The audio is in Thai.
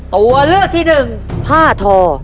ตัวเลือกที่หนึ่งผ้าทอ